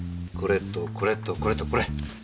これとこれとこれとこれ。